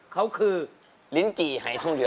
เขาคือลิ้นจี่หายทองอยู่